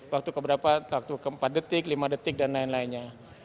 waktu keberapa waktu ke empat detik lima detik dan lain lainnya